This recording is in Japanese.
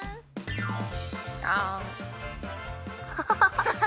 ハハハハハ。